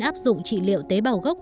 áp dụng trị liệu tế bào gốc